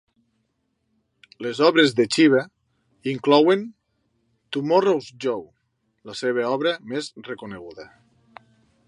Les obres de Chiba inclouen "Tomorrow's Joe", la seva obra més coneguda.